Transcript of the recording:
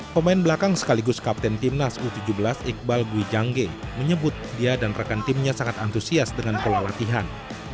pemain belakang sekaligus kapten timnas u tujuh belas iqbal gwijangge menyebut dia dan rekan timnya sangat antusias dengan pola latihan